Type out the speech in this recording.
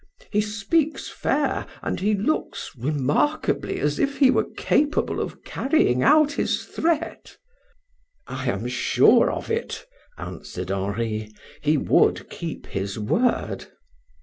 He speaks fair and he looks remarkably as if he were capable of carrying out his threat." "I am sure of it," answered Henri; "he would keep his word."